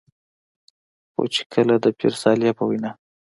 خو چې کله د پير صالح په وېنا